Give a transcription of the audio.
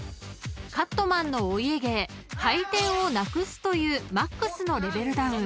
［カットマンのお家芸回転をなくすというマックスのレベルダウン］